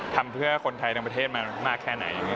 ทำเพื่อคนไทยทั้งประเทศมามากแค่ไหน